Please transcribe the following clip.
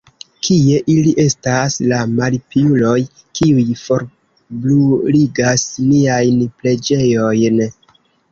Kie ili estas, la malpiuloj, kiuj forbruligas niajn preĝejojn?